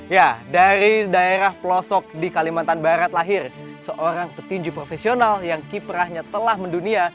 ya dari daerah pelosok di kalimantan barat lahir seorang petinju profesional yang kiprahnya telah mendunia